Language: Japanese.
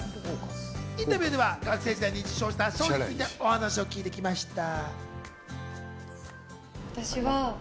インタビューでは学生時代に受賞した賞についてお話を聞いてきました。